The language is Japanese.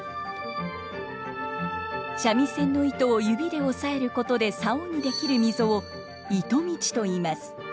三味線の糸を指で押さえることで棹に出来る溝を糸道といいます。